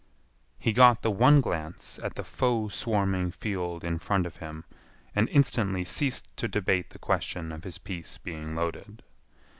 He got the one glance at the foe swarming field in front of him, and instantly ceased to debate the question of his piece being loaded.